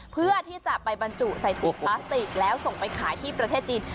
เพื่อที่จะไปบรรจุใส่ถุงพลาสติกแล้วส่งไปขายที่ประเทศจีน